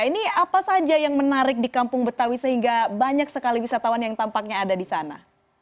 ini apa saja yang menarik di kampung betawi sehingga banyak sekali wisatawan yang tampaknya ada di sana